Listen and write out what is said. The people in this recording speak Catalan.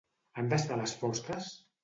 Han d'estar a les fosques?